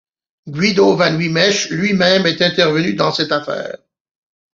Guido Van Wymesch lui-même est intervenu dans cette affaire.